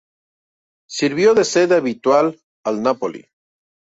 Sirvió de sede habitual al Napoli.